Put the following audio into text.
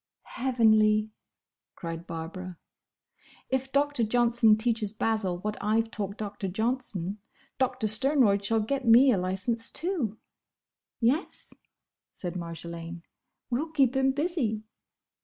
"Heavenly!" cried Barbara. "If Doctor Johnson teaches Basil what I 've taught Doctor Johnson, Doctor Sternroyd shall get me a licence, too." "Yes," said Marjolaine, "we'll keep him busy."